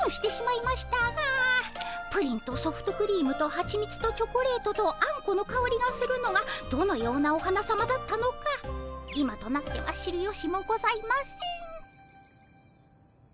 プリンとソフトクリームとはちみつとチョコレートとあんこのかおりがするのがどのようなお花さまだったのか今となっては知るよしもございません。